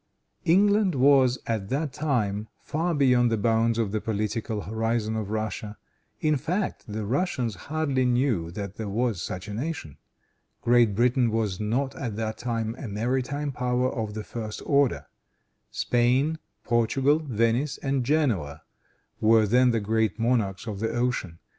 England was, at that time, far beyond the bounds of the political horizon of Russia. In fact, the Russians hardly knew that there was such a nation. Great Britain was not, at that time, a maritime power of the first order. Spain, Portugal, Venice and Genoa were then the great monarchs of the ocean.